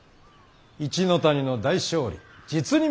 一ノ谷の大勝利